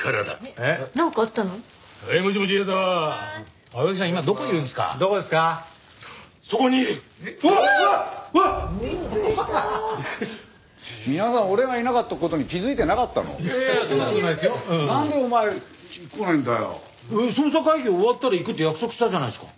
えっ？捜査会議終わったら行くって約束したじゃないですか。